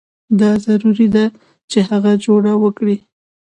دا ضروري ده چې هغه جوړه وکړي.